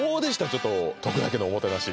ちょっと徳田家のおもてなし